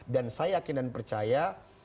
dan saya yakin dan percaya